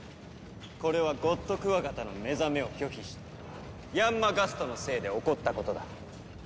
これはゴッドクワガタの目覚めを拒否したヤンマ・ガストのせいで起こったことだ。